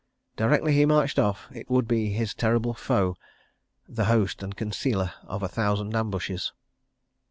Directly he marched off it would be his terrible foe, the host and concealer of a thousand ambushes.